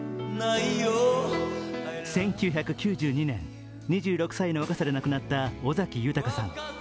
１９９２年、２６歳の若さで亡くなった尾崎豊さん。